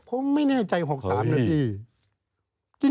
ผมไม่แน่ใจ๖๓นาที